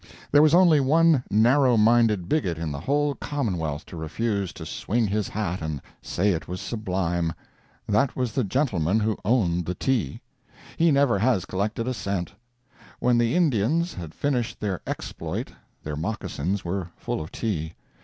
There was only one narrow minded bigot in the whole commonwealth to refuse to swing his hat and say it was sublime. That was the gentleman who owned the tea. He never has collected a cent. When the Indians had finished their exploit their moccasins were full of tea.